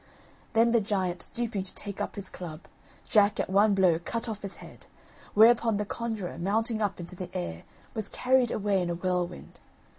Then the giant stooping to take up his club, Jack at one blow cut off his head; whereupon the conjurer, mounting up into the air, was carried away in a whirlwind.